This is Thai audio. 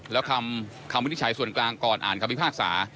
แล้วคำวินิจฉัยส่วนกลางก่อนอ่านคำพิพากษา